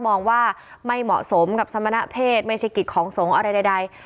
มองว่าไม่เหมาะสมกับสมณเพศไม่ใช่กิจของสงฆ์อะไรใด